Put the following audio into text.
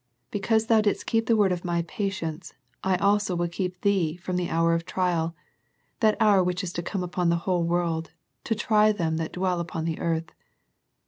Because thou didst keep the word of My patience, I also will keep thee from the hour of trial, that hour which is to come upon the whole world, to try them that dwell upon the earth.